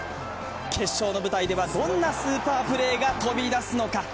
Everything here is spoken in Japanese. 決勝の舞台ではどんなスーパープレーが飛び出すのか。